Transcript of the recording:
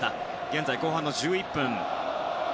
現在、後半１１分。